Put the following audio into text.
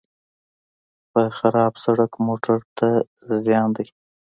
په خراب سړک موټر ته زیان دی.